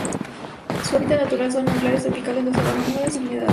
Su hábitat natural son manglares tropicales, la sabana húmeda y humedales.